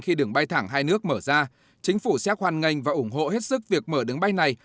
khi đường bay thẳng hai nước mở ra chính phủ sẽ hoàn ngành và ủng hộ hết sức việc mở đường bay này